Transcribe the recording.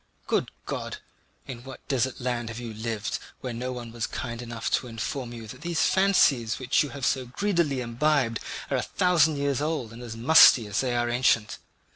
Good God! In what desert land have you lived, where no one was kind enough to inform you that these fancies which you have so greedily imbibed are a thousand years old and as musty as they are ancient?